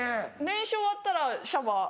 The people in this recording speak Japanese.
練習終わったらシャワー。